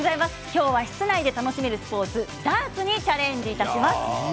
きょうは室内で楽しめるスポーツダーツにチャレンジします。